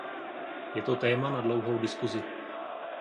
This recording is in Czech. Je to téma na dlouhou diskusi.